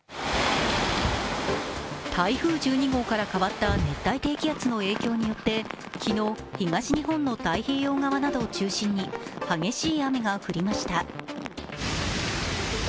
台風１２号から変わった熱帯低気圧の影響によって昨日、東日本の太平洋側などを中心に激しい雨が降りました。